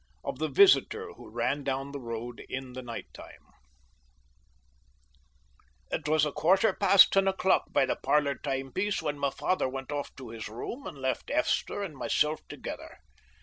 OF THE VISITOR WHO RAN DOWN THE ROAD IN THE NIGHT TIME It was a quarter past ten o'clock by the parlour timepiece when my father went off to his room, and left Esther and myself together.